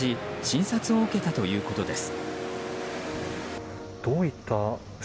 診察を受けたということです。